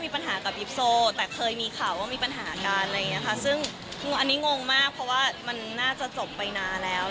เพราะว่ามันน่าจะจบไปนานาแล้ว